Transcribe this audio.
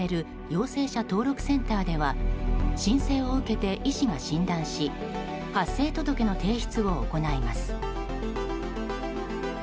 陽性者登録センターでは申請を受けて医師が診断し発生届の提出を行います。